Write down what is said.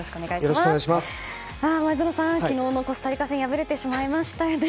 昨日のコスタリカ戦敗れてしまいましたね。